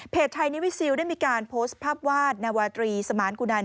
ไทยนิวิซิลได้มีการโพสต์ภาพวาดนาวาตรีสมานกุนัน